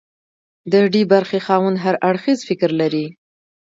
د ډي برخې خاوند هر اړخیز فکر لري.